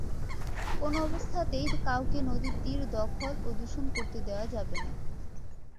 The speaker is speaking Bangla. কোনো অবস্থাতেই কাউকে নদীর তীর দখল ও দূষণ করতে দেওয়া যাবে না।